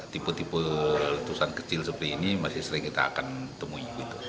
tipe tipe letusan kecil seperti ini masih sering kita akan temui